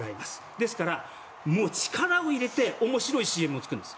ですから、力を入れて面白いＣＭを作るんです。